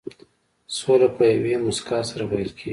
سوله په یوې موسکا سره پيل کېږي.